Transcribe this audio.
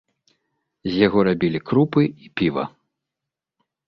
З яго рабілі крупы і піва.